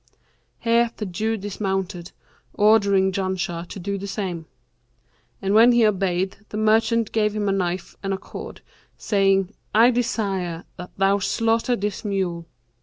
Here the Jew dismounted, ordering Janshah to do the same; and when he obeyed the merchant gave him a knife and a cord, saying, 'I desire that thou slaughter this mule.'